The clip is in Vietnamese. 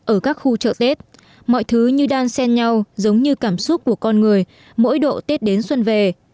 ở các khu chợ tết mọi thứ như đan sen nhau giống như cảm xúc của con người mỗi độ tết đến xuân về